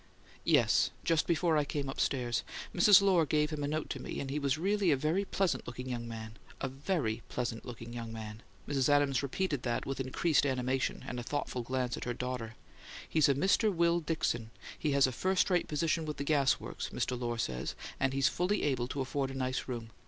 "Yes; just before I came upstairs. Mrs. Lohr gave him a note to me, and he was really a very pleasant looking young man. A VERY pleasant looking young man," Mrs. Adams repeated with increased animation and a thoughtful glance at her daughter. "He's a Mr. Will Dickson; he has a first rate position with the gas works, Mrs. Lohr says, and he's fully able to afford a nice room.